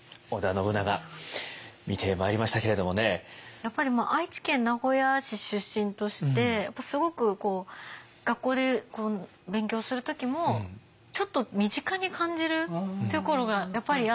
やっぱり愛知県名古屋市出身としてすごく学校で勉強する時もちょっと身近に感じるところがやっぱりあって。